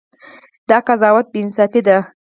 دا قضاوت بې انصافي ده.